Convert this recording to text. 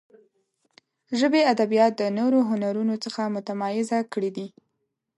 ژبې ادبیات د نورو هنرونو څخه متمایزه کړي دي.